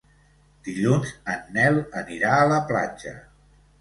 Dilluns en Nel anirà a la platja.